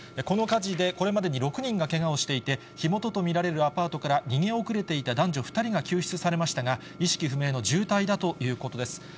この火事でこれまでに６人がけがをしていて、火元と見られるアパートから逃げ遅れていた男女２人が救出されましたが、意識不明の重体だということです。